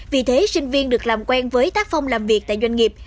vì thế sinh viên được làm quen với tác phong làm việc tại doanh nghiệp